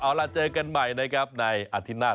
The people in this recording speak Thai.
เอาล่ะเจอกันใหม่นะครับในอาทิตย์หน้า